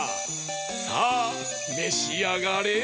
さあめしあがれ！